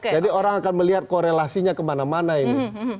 jadi orang akan melihat korelasinya kemana mana ini